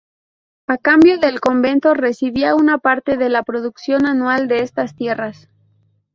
A cambio, el convento recibía una parte de la producción anual de estas tierras.